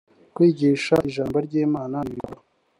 kwigisha ijambo ry imana ni ibikorwa